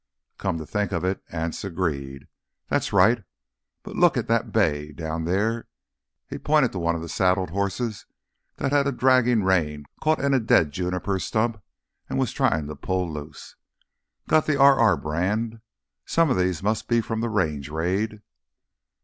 "Come to think of it," Anse agreed, "that's right! But lookit that bay down there." He pointed to one of the saddled horses that had a dragging rein caught in a dead juniper stump and was trying to pull loose. "Got th' RR brand! Some of these must be from th' Range raid."